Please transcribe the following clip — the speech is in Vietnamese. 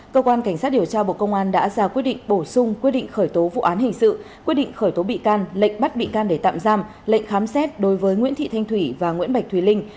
cơ quan cảnh sát điều tra bộ công an đã ra quyết định bổ sung quyết định khởi tố vụ án hình sự quyết định khởi tố bị can lệnh bắt bị can để tạm giam lệnh khám xét đối với nguyễn thị thanh thủy và nguyễn bạch thùy linh